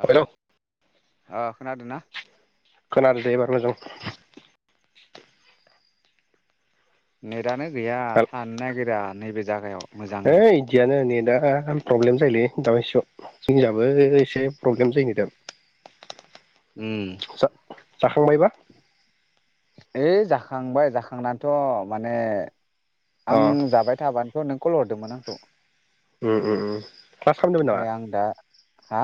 Hello ओ खोनादोना? खोनादों दे एबार मोजां। नेट दानो गैया थानो नागिरा नैबे जागायाव। है मोजांनो इदियानो नेट दा प्रब्लेम जायोलै दा बायसायाव जोंजाबो एसे प्रब्लेम जायो दा। उम जाखांबायबा? ओइ जाखांबाय जाखांनानथ' माने आं अ जाबाय थाबा थ' नों कल हरदोंमोन आंखौ। उम उम उम क्लास खालामदोंमोन नामा ओमफ्राय आं दा हा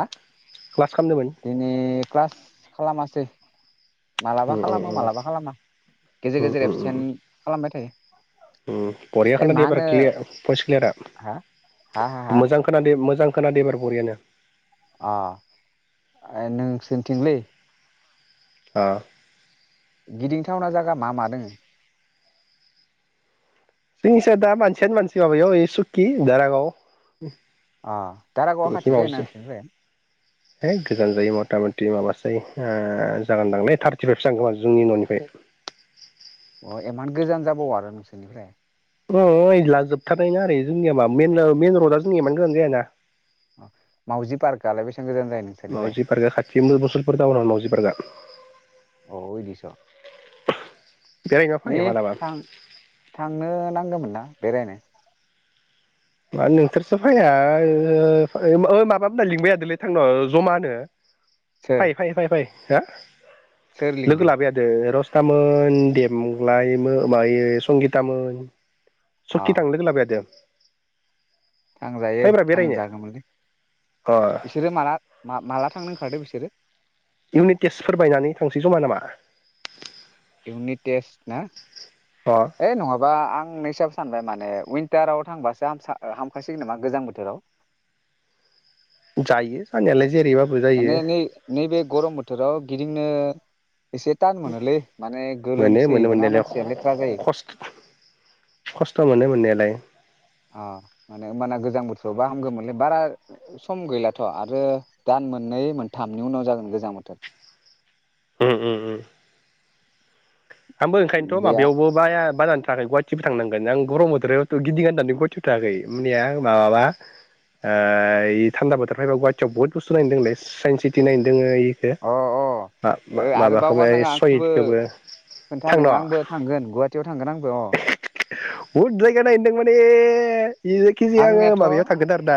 क्लास खालामदोंमोन दिनि क्लास खालामासै। मालाबा उम खालामो उम मालाबा खालामा गेजेर गेजेर एबसेन्ट खालामबाय थायो। ओम बरिया ओइ मा खोनादो एबार होनो क्लिया फस क्लियारा हा हा हा हा मोजां खोनादो मोजां खोनादों इबार बरियानो। आ ओ नोंसोनथिंलै आ गिदिंथावना जायगा मा मा दोङो? जोंनि साइद दा मानसियानो मानसि माबायाव ओइ सुकि दारागाव आ दारागावा एखि खाथि जायो ना माबासो नोंसोरनिफ्राय? है गोजान जायो मथा मथि माबासो ओ जागोनदांलै थार्टिफाइभसो जोंनि न'निफ्राय। अ इमान गोजान जाबावो आरो नोंसोरनिफ्राय अ ओइला जोबथारनाय ना जोंनिया मा मेन ओ मेन रडा जोंनिया इमान गोजान जायाना अ मावजि पार्कालाय बेस मावजि पार्कगा खाथि मुसलपुर तावनाव मावजि पार्कआ अ इदिस' बेरायना फै नै मालाबा थां थांनो नांगोमोन ना बेरायनो मा नोंसोरसो फैया ओ [unintelligible] माबा मोना लिंबायहादोलै थांनो जमानो? सोर फाइ फाइ फाइ फाइ हो सोर लिंदों लोगो लाबाय हादो रस तामोन देमग्लाय मो मा इ संगितामोन अ सति थांनो लोगो लाबाय हादो थांजायो बेरायनो थांजागौमोनलै अ बिसोरो माला मा माला थांनो ओंखारदो बिसोरो इउनिट टेस्टफोर बायनानै थांसै जमा नामा? इउनिट टेस्ट ना अ यै नङाबा आं नैसा सानबाय माने विनटाराव थांबासो हाम्सा हामखासिगोन नामा गोजां बोथोराव जायोे जानायालाय जेरैबाबो माने जायो नै नैबे गरम बोथोराव गिदिंनो एसे थान मोनोलै माने मोनो मोनो गोलोमसोयोबोना मोननायालाय मानसिया लेथ्रा जायो खस खस्थ' मोनो मोननायालाय अ माने होमबाना गोजां बोथोरावबा हामगौमोनलै बारा सम गैलाथ' आरो दान मोननै मोनथामनि उनाव जागोन गोजां बोथोर। उम उम उम आंबो ओंखायनोथ' बेया माबायावबो बाया बाननै थाङाखै गुवाहाटिबो थांनांगोन आं गरम बोथोरावथ' गिदिं गाननानै गुवाहाटिबो थाङाखै मैया माबा ओ थान्दा बोथोर फाया गुवाहाटियाव बहुत बुस्थु नायनोदोंलै साइन्स सिटि नायनोदों खो अ मा ओ बा आरो माबा बावगारनाङा आंखौबो सहिदखौबो खोन्था थांन' नोङो आंबो थांगोन गुवाहाटियाव थांगोन आंबो अ बहुद जायगा नायनो दं ने जेखिजाया आङो आंनियाथ' माबायाव थांगोन आरो ना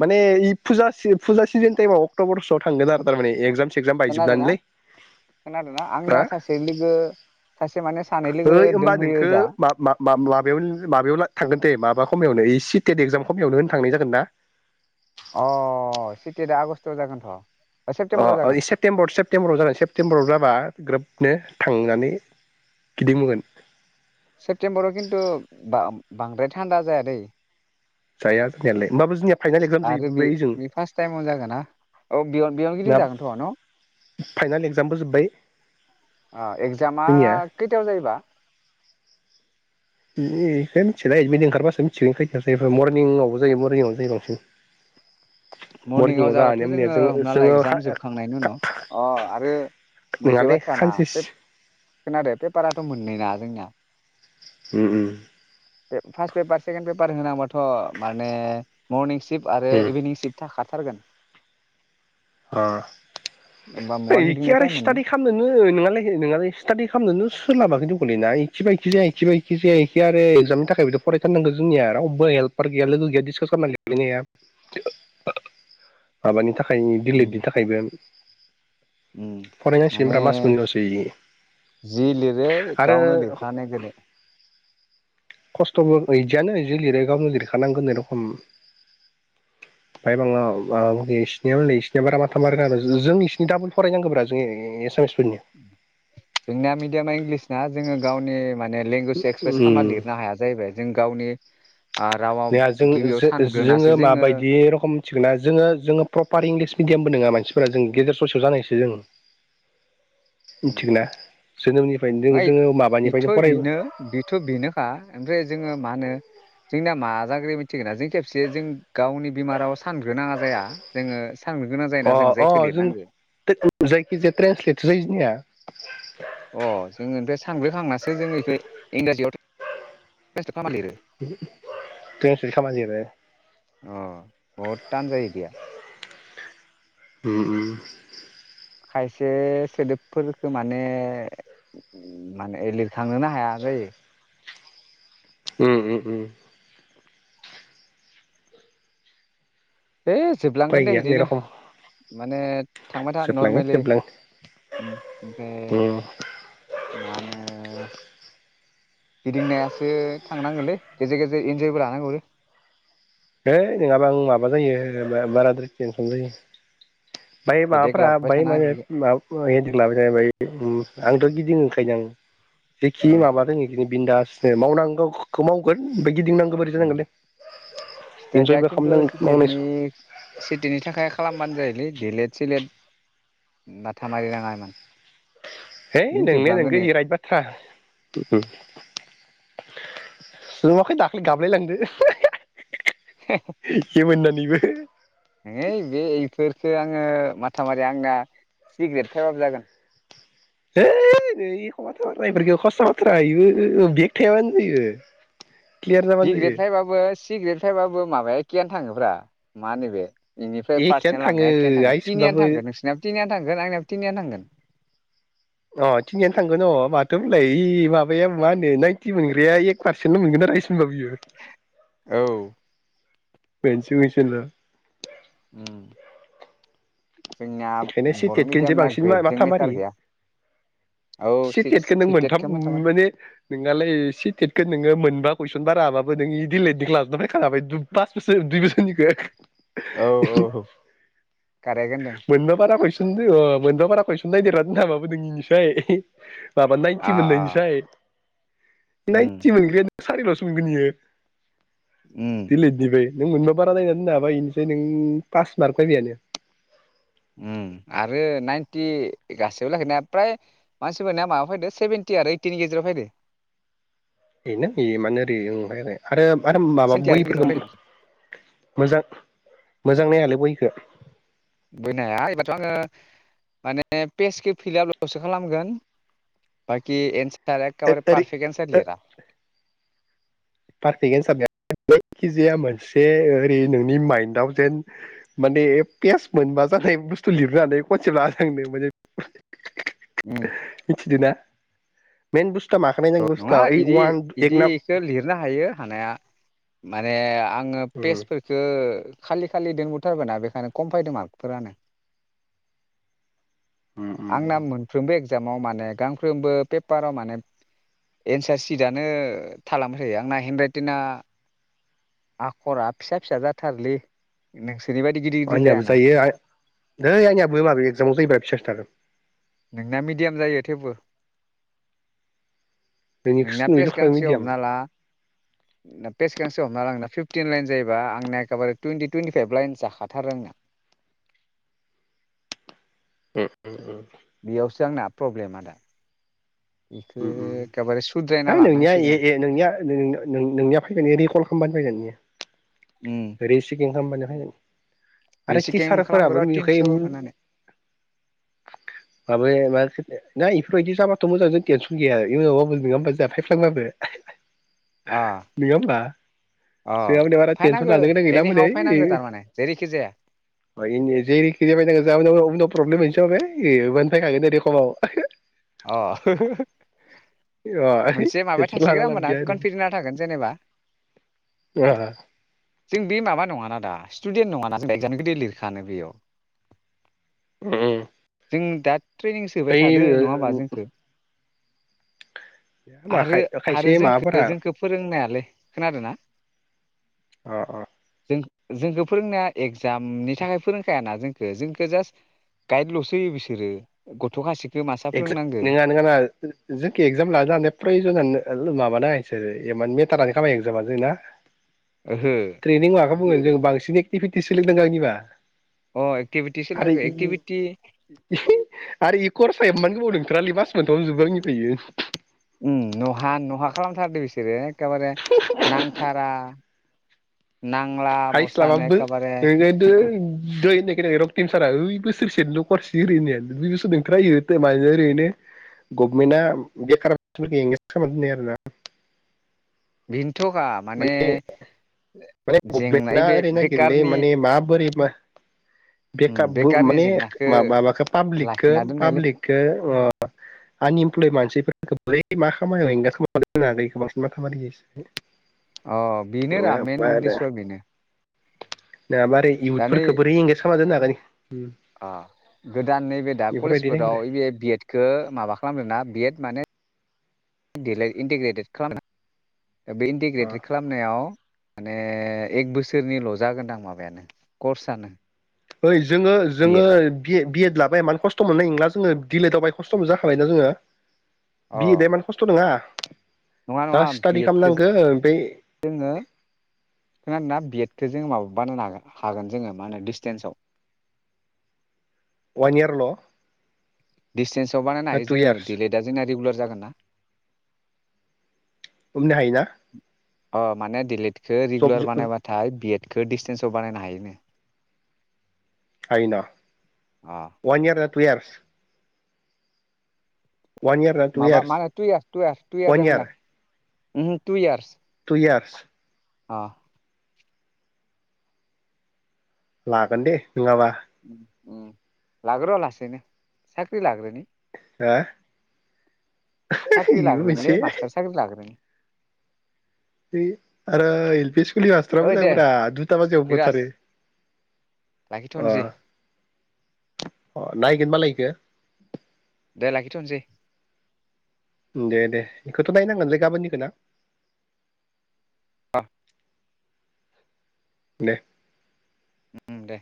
माने इ फुजा सि फुजा सिजोन टाइमाव अक्ट'बरसोआव थांगोन आरो थारमाने अ एगजाम सेगजाम खोनादोंना बायजोबनानैलै खोनादोंना हा आंनिया सासे लोगो सासे माने सानै लोगो ओइ होमबा दोंहोयो नोंखौ ओजा मामाबमाबयाव माबायाव थांगोन दे माबायाव खमयावनो ओइ सिटेट इगजाम खमयावनो होनो थांनाय जागोन ना? अ सेटेट दा आगस्टआव जागोनथ' सेप्तेम्बराव अ जागोन सेप्तम्बर सेप्ते्बराव ज जादों सेप्तेम्बराव जाबा ग्रोब नो थांनानै गिदिं बोगोन सेप्तेम्बराव खिन्थु बा बांद्राय थान्दा जाया दै जाया जानायालाय होमबाबो जोंनिया फाइनाल एगजाम आरो बे जोबबाय ओजों बे फार्स्ट टाइमावनो जागोन ना औ बेयाव बेयावनो गिदिं ना जागोन थ' न' फाइनाल एक्जामबो जोब्बाय अ एगजामा जोंनिया खैथायाव जायोबा एखाय मिथिल एडमिट ओंखारबासो मिथिगोन ख ज मरनिंआवबो जायो मरनिंआवनो जायो बांसिन मर्निंआव मरनिंआव जाबाथ' जानानै मोनाया जोङो हमना ला एगजाम जोङो जोबखांनायनि उनाव अ आरो मोनसे नोंहालै बाथ्राना खानसे बे सि खोनादों पेपाराथ' मोननै ना जोंनाया ओ ओ फार्स्ट पेपार सेकेणड पेपार होनांगबथ' माने मरनिं सिफ् आरो उम इभिनिं सिफ् थाखार हथारगोन मुवा एखे गिदिंनो आरो टाइम मोनो स्टाादि खालामनोन न न स्टाडि खालामनोनो सोलाबा ना एखि जायाखि जाया आरो एजामनि थाखायबोथ' फरायथारनांगौ जोंनिया रावबो हेल्पार गैया लोगो गैया डिसकास खालामनानैै लिरनाया माबानि थाखाय उम दिल्लीनि थाखायबो माने फरायनांसिगोनब्रा मास मोननैल'सै जि लिरो आरो गावनो लिरखानाय गोदो खस्थ'बो बिदियानो बि लिरो गावनो लिरखानांगोन ए रखम ओमाय बा बिनिया नै बिसोरनिया बारा माथा मारिनो जों इसिनि दडाबोल फरायनांगौब्रा जों एसामिस जोंनिया मिडयामा इंलिस दा जोङो गावनि माने लेंगुवेज एक्सप्रेस खालामना उम लिरनो हाया जाहैबाय जों गावनि ओ रावाव जों गिबियाव सानग्रोनासो जोङो माबायदि रखम मिथिगौ ना जोङो जोङो प्रपार इंलिस मिडियामबो नङा मानसि फोर जों गेजेर ससेयाव जानायसै जों मिथिगोना जोनोमनिफ्रायनो जों फ्राय जोङो बेथ' माबानिफ्रायनो फराय अ बेनो बेथ' बेनोखा ओमफ्राय जोङो मा होनो जोंनिया मा जाग्रो मिथिगोन ना जों खेबसे जों गावनि बेमाराव सानग्रोनाङा जाया जोङो सानग्रो गोनां अ जायोना जों अ जायखौ जों लिरनांगो जायखिजाया ट्रेन्सलेट जायो जोंनिया [inaudible] अ जोङो ओमफ्राय साग्रोखांनासो जों बेखौ इंराजियावथ' लिरो ट्रेन्सलेट खालामनानै लिरो अ बहुद दान जायो इदिया ओम ओम खायसे सोदोबफोरखौ माने माने लिरखांनोनो हाया जायो ओम ओम ओम है जोबलांगोन दे गैया नै बिदिनो रखम माने थांबाय था जोबलाङो नरमेलि जोबलाङो ओमफ्राय मा होनो गिदिंनायासो थांनांगोनलै गेजेर गेजेर इन्जयबो लानांगौो है नङाबा आं माबा जायो बाराद्राय तेनसन जायो बाय हेदेक माबाफ्रा लाबाय बाय थानाङा बेफोरखौ माबाखौ लाबोबाय आंथ' गिदिङो खादों जेखि उम माबादों इदिनो बिन्दास मावनांगौखौ मावगोन गिदिंनांगौबा बोरै जानांगोन लै सिटाडिया खिन्थु सि टेट नि सि टेटनि थाखाय खालामबा जायोलै दिलेट सिलेट माथा मारि नाङा इमान। है बि नोंनाया जोबलांगोन नोंगो नै इ राइत बाथ्रा नुवाखै दाख्लै गाबलाय लांदो मोननानैबो [unintelligible] बेखौ आङो माथाामारि आंना सिग्रेट फैबाबो जागोन हैइ नै एख बाथायफोरखौ खस्थ बाथ्राबो बेग थायाबानो जायो क्लियार बि‌ जाबानो ग्रेद जायो फैयाबाबो सि सिग्रेट फैयाबाबो माबाया एखेयानो थाङोब्रा मा होनो बे बेनिफ्राय एखेयानो पारसेन्ट थाङो लांनाय एखेयानो थांगोन थिनियानो आइसबाबो थांगोन नोंसिनिाबो थिनियानो थांगोन आंनिाबो थिनियानो थांगोन अ थिंनियानो थांगोन अ माथो होनलाय माबाया मा होनो नाइन्टि मोनग्राया एक पार्सेन्टल' मोनगोन आरो औ [unintelligible] [unintelligible] ओम ओंखायनो सि टेटखौनोसो मिडियामना बांसिन ग्रेडजों माथा मारि मेटार गैया औ सि टेटखौ नों मोनथाम सिटेटखौ माथा माथि माने नोंङालै सि टेटखौ नोङो मोनबा कुइसन बारा हाबाबो नों इ दि एल एद लाजोबना फैखाबाय बास बोसोर दुइ बोसोरनिखौ औ औ औ खारेग होनदों मोनबा बारा कुइसन मोनबा बारा कुइसन नायगिरना दोननो हाबाबो नोंनिफ्राय माबा नाइन्टि अ अ मोनलानायनोसै उम नायनथि मोनग्राया सारिल'सो मोनगोन इयो उम दिल दबायै नों मोनबा बारा नायनानै दोनना हाबा बेनोसै नों पास मार्क फायबायानो ओम आरो नाइनटि गासैबो लाखैनाया फ्राय मानसिफोरनिया माबा फैदो सेभेनटि आरो ओइटिनि गेजेराव फायदो। बेनो बे माने ओरै ओफ्राय आरो। आरो माबा सेभेन्टि आरो ओइटिनि बैफोरखौ गेजेराव मोजां मोजां नाय हालाय बहिखौ बहि नाया एबाथ' आङो माने पेजखौ फिलपलसो खालामगोन बाखि एसार सारखाबारि ओरै पारफके एन्सार लिरा पारफेक्टआ सारनाया जायखिजाया मोनसे ओरै नोंनि माइन्डआव जेन माने पेस मोनबा जानाय बुस्थु लिरनानै खनसे लाजांनो माने। उम मिथिदोना मेन बुस्थ माखौ नायनांगौ बुस्थुआ ओइ अवान [unintelligible] बिनो हायो हानाया माने आं आङो उम पेस्फोरफोरखौ खालि खालि दोनबो थारबायना बेखायनो खम फैदों मार्कफोरानो। उम उम आंना मोनफ्रोमबो एक जामाव माने गांफ्रोमबो पेपारा माने एन्सार सिटनो थालांबाय थायो आंना हेन्द राइटिना आखरा फिसा फिसा जाथारलै नोंस आंनियाबो जायो आइ नै आंनियाबो बै माबायाव जायोबा एगजामाव जायोबा फिसासो थागोन। नोंना मिडियाम जायो थेवबो। नोंना नोंनिखौसो नुयो पेस खोमा गांसे मिडियाम हमना ला पेस गांसे हमना ला नोंना पिप फिफटिन लाइन जायोबा आंना एखेबारे टुइन्टि टुवेन्टिफाइभ लाइन्सआ हाथारो आंनिया उम उम उम। बेयावसो आंना प्रब्लेमा दा। बेखौ उम उम एखेबारे सुद्रायना है नोंनिया लानांसिगोन आं ए-ए नोंनिया [unintelligible] फैगोन इ रिकल खालामबानो फैगोन इयो। उम रेसिकिं खामबानो फायगोन। आरो रिसिकिं टिचारफोराबो खालामगोर' नुयोखाय थिनस' होननानै माबाया मार्क सितो ना इफोरबायदि जाबाथ' मोजांजों टेनसन गैया इयुनाव बाबो नोङा होनबा जा फायफ फ्लांबाबो अ नोङा होमबा अ जोंहानो बारा टेनसन फायनांगो लानो गोनां गैला होमबाना एनिहाव फायनांगो थारमाने जेरैखि जाया ओइ [unintelligible] [unintelligible] खमाव अ [unintelligible] अ मोनसे माबाया टेनसन थासिगोन लाना आरो लाब होमबा गैया कनफिजनआ थागोन जेनेबा ओरै जों बे माबा नङा ना दा स्टुडेन्ट नङा ना [inaudible] लिरखानो बेयाव। उम जों दा ट्रेनिं सोबाय थादो नङा होमबा जोंखो मा खायसे आरो-आरो माबाफोरा जोंखो-जोंखो फोरोंनायालै खोनादोना? अ अ जों जोंखौ फोरोंनाया एगजामनि थाखाय फोरोंखायाना जोंखो जोंखो जास्ट गाइदल'सो होयो बिसोरो गथ'खासेखो मा एगजा नोङा नोङा नोङा जो-जोंखो एकजाम लानो हानाय प्रयजनानो लो माबानाय सोरो एमान मेटारानो खामायो एक्जामा जों ना। ओहो ट्रेनिं माखो बुङो जों बां [unintelligible] एक्टिभिटि सोलिदों आंनिबा। अ एक्टिभिटिसो आरो नांगो इ एक्टिभिटि इ [unintelligible] आरो इ कर साय एमान गोबाव नोंथोरालै मास मोनथावनो जोबो आंनिबा इयो। उम नहा नहा खालामथारदो बिसोरो। एखाबारे नांथारा। नांला हाइस बसानो लाबाबो एखेबारे [unintelligible] दोहाय होननाय खोनायाखै रक्तम सारा ओइ बोसोरसेनिल' खरस ओरै होननायानो दुइ बोसोर नोंथारा इयो ओरैनो गभमेन्टआ बेखाराव [unintelligible] बिन माने माने जेंना गभमेन्टआ बे ओरै नागिरोलै बेकारनि माने माबोरै मा बे उम खाबु बेकारनि माने जेंनाखौ माबा माबाखो पाब्लिकखौ लाखिना दोननायलै पाब्लिकखौ ओ आनइमप्लय मानसिफोर [unintelligible] अ बेनो रा मेन उददेस'आ बेनो ना मारै दा नै इउथफोरफोरखो बोरै एं खामना दोननो हागोन अ गोदान नैबे दा बेफोरबायदि नागिरो कलेजफोराव ओइ बे बिएदखौ माबा खालामदों ना बिएद माने देलाय इन्टिग्रेटेड खालामना बे अ इन्टिग्रेटेड खालामनायाव माने एक बोसोरनिल' जागोनदां माबायानो कर्सानो ओय जोङो जोङो बिए बिएड लाबा इमान खस्थ' मोननाय नोंला जोङो दिलेदाव बाहाय खस्थ'नो जाखाबाय ना जोङो अ बिएदा एमान खस्थ' नोङा नङा नङा बिएदखो जो ओमफ्राय जोङो खोनादोना बिएद खो जोङो माबा बानायनो हागोन जोङो मा होनो डिस्टेन्सआव वान इयारल' दिसटेनस आव बानायनो हायो टु जोंङो इयार्स दियेदलेदा जोंना रेगुलार जाबाय जागोनना? हमनो हायोना? अ माने दियेलेट खो जब रेगुलार बानायबाथाय बिएद बेखौ डिसटेन्साव बानायनो हायोनो हायोना अ अवान इयार ना टुइयारस वान इयार ना टु माबा इयार्स माहोनो टुइयार टुइयार वान जागोन इयार दां उमहो टुइयारस टुइयारस औ लागोन दे नङाबा उम लागोर' लासैनो साख्रि लाग्रोनि हा साख्रि लाग्रोनिलै मास्टार साख्रि लाग्रोनि है आरो एल पि स्कुलनि मास्टारा ओइ मोजां दे ब्रा दुथा बाजियावनो बिराज गथारो अ अ लाखिथ'नोसै नायगोनबालाय ग [unintelligible] दे लाखिथ'नोसै दे दे बेखौथ' बायनांगोनलै गाबोननि खोना अ दे उम दे